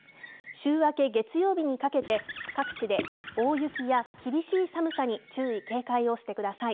週明け月曜日にかけて、各地で大雪や厳しい寒さに注意、警戒をしてください。